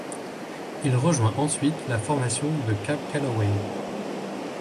Il rejoint ensuite la formation de Cab Calloway.